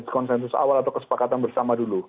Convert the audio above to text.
konsensus awal atau kesepakatan bersama dulu